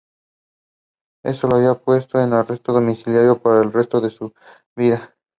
Eso la habría puesto en arresto domiciliario para el resto de su vida".